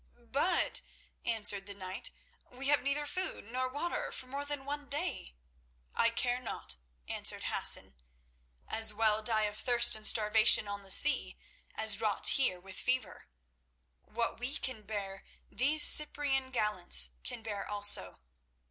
"But," answered the knight, "we have neither food nor water for more than one day." "I care not," answered Hassan, "as well die of thirst and starvation on the sea as rot here with fever. What we can bear these Cyprian gallants can bear also.